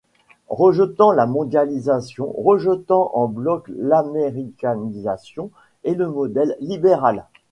Rejetant la mondialisation, rejetant en bloc l'américanisation, et le modèle libéral.